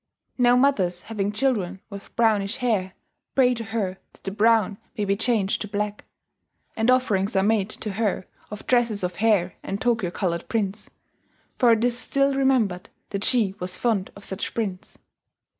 Now mothers having children with brownish hair pray to her that the brown may be changed to black; and offerings are made to her of tresses of hair and Tokyo coloured prints, for it is still remembered that she was fond of such prints.